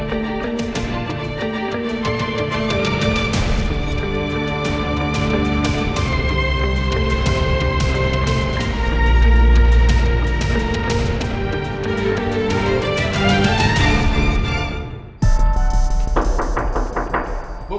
pfarogen maleh jadi miskin ya